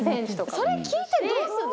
それ聞いてどうするの？